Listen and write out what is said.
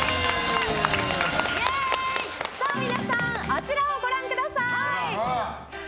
皆さん、あちらをご覧ください。